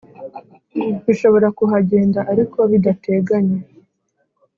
Bishobora kuhagenda ariko bidateganye